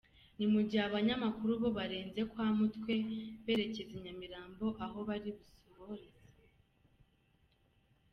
Ni mu gihe abanyamakuru bo barenze kwa Mutwe berekeza i Nyamirambo aho bari busoreze.